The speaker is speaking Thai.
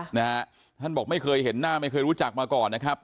นะฮะท่านบอกไม่เคยเห็นหน้าไม่เคยรู้จักมาก่อนนะครับ